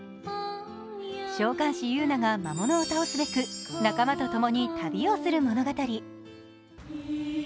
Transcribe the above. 召喚士ユウナが魔物を倒すべく仲間と共に旅をする物語。